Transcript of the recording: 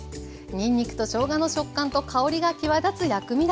にんにくとしょうがの食感と香りが際立つ薬味だれ。